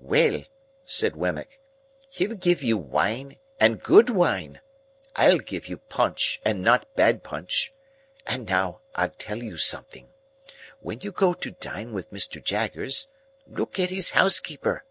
"Well," said Wemmick, "he'll give you wine, and good wine. I'll give you punch, and not bad punch. And now I'll tell you something. When you go to dine with Mr. Jaggers, look at his housekeeper."